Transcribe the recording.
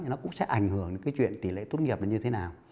thì nó cũng sẽ ảnh hưởng đến cái chuyện tỷ lệ tốt nghiệp nó như thế nào